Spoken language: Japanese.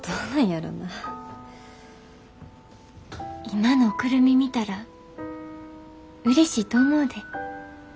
今の久留美見たらうれしいと思うで。